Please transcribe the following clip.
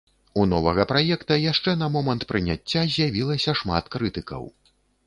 У новага праекта яшчэ на момант прыняцця з'явілася шмат крытыкаў.